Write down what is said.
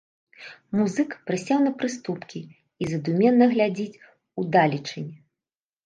Музыка прысеў на прыступкі і задуменна глядзіць удалячынь.